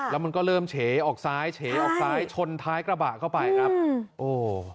แล้วมันก็เริ่มเฉออกซ้ายเฉออกซ้ายชนท้ายกระบะเข้าไปครับโอ้